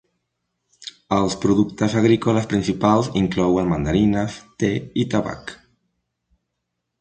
Els productes agrícoles principals inclouen mandarines, te i tabac.